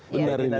benar ini benar